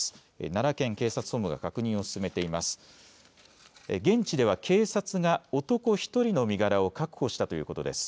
奈良県警察本部が確認を進めています。